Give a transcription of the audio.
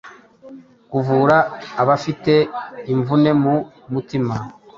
kuvura abafite imvune mu mutima,